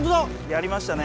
やりましたね。